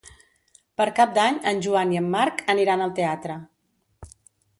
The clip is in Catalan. Per Cap d'Any en Joan i en Marc aniran al teatre.